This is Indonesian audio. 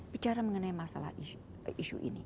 bicara mengenai masalah isu ini